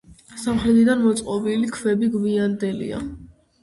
სამხრეთიდან მოწყობილი ქვები გვიანდელია.